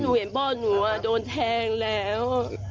เห็นพ่อหนูโดนแทงแล้ว